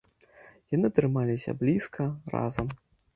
Яны трымаліся блізка, разам.